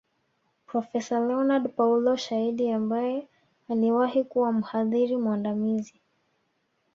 Profesa Leonard Paulo Shaidi ambaye aliwahi kuwa mhadhiri mwandamizi